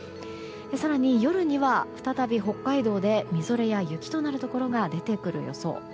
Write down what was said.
更に夜には、再び北海道でみぞれや雪になるところが出てくる予想。